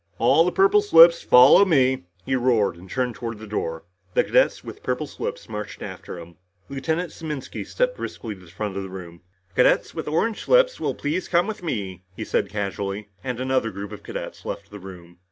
"All the purple slips follow me," he roared and turned toward the door. The cadets with purple slips marched after him. Lieutenant Saminsky stepped briskly to the front of the room. "Cadets with orange slips will please come with me," he said casually, and another group of cadets left the room.